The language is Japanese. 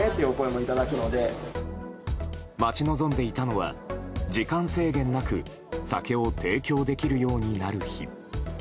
待ち望んでいたのは時間制限なく酒を提供できるようになる日。